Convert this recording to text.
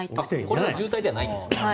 これは渋滞ではないんですね。